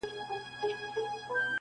o په يوه ځين کي دوې کوني نه ځائېږي.